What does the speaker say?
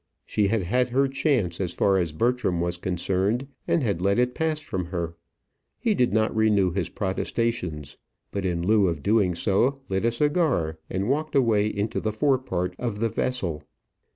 She had had her chance as far as Bertram was concerned, and had let it pass from her. He did not renew his protestations; but in lieu of doing so, lit a cigar, and walked away into the fore part of the vessel.